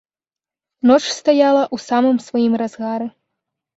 Ноч стаяла ў самым сваім разгары.